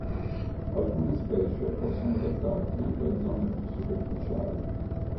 Alcune specie possono adattarsi anche a zone più superficiali.